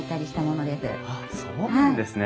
あっそうなんですね。